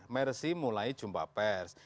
mercy mulai jumpa pers